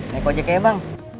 nekojek ya bang